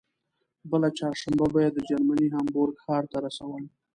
بله چهارشنبه به یې د جرمني هامبورګ ښار ته رسول.